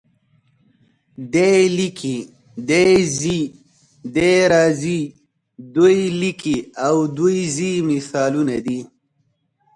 دی لیکي، دی ځي، دی راځي، دوی لیکي او دوی ځي مثالونه دي.